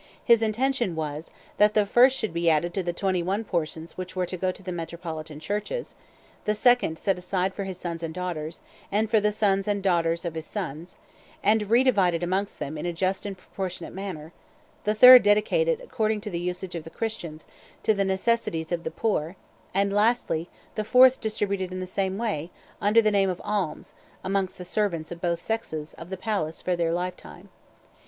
His intention was, that the first should be added to the twenty one portions which were to go to the metropolitan churches; the second set aside for his sons and daughters, and for the sons and daughters of his sons, and redivided amongst them in a just and proportionate manner; the third dedicated, according to the usage of Christians, to the necessities of the poor; and, lastly, the fourth distributed in the same way, under the name of alms, amongst the servants, of both sexes, of the palace for their lifetime.